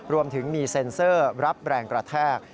รวมถึงมีเซ็นเซอร์รับแรงกระแทก